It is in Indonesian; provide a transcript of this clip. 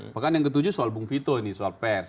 bahkan yang ketujuh soal bung vito ini soal pers